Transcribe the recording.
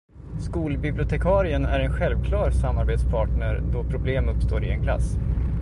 Skolbibliotekarien är en självklar samarbetspartner då problem uppstår i en klass.